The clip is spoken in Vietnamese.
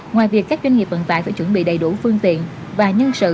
ngoài việc các doanh nghiệp vận tải phải chuẩn bị đầy đủ phương tiện và nhân sự